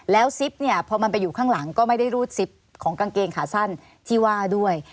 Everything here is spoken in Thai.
แล้วซิปเนี่ยพอมันไปอยู่ข้างหลังก็ไม่ได้รูดซิปของกางเกงขาสั้นที่ว่าด้วย